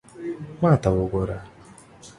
ما ته وګوره